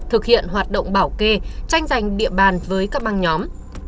thực hiện hoạt động bảo kê tranh giành địa bàn với các băng nhóm